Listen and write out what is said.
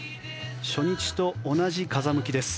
初日と同じ風向きです。